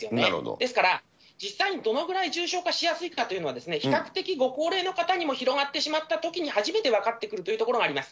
ですから、実際にどのぐらい重症化しやすいかというのは、比較的、ご高齢の方にも広がってしまったときに、初めて分かってくるということがあります。